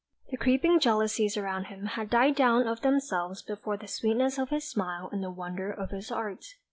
The creeping jealousies around him had died down of themselves before the sweetness of his smile and the wonder of his art.